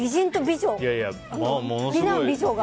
美男美女が。